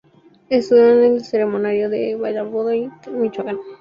Estudió en el Seminario de Valladolid, Michoacán.